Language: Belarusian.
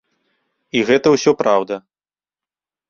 І гэта ўсё праўда.